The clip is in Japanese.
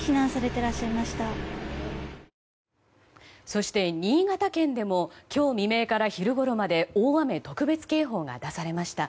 そして新潟県でも今日未明から昼ごろまで大雨特別警報が出されました。